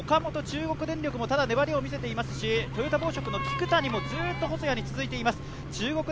岡本、中国電力も粘りを見せていますし、トヨタ紡織の聞谷もずっと細谷に続いています。